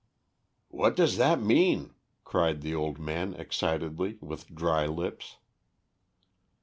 "What does that mean?" cried the old man excitedly, with dry lips.